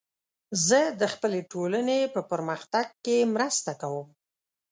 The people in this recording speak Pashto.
زه د خپلې ټولنې په پرمختګ کې مرسته کوم.